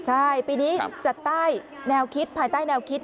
ใช่ปีนี้จัดใต้แนวคิดภายใต้แนวคิด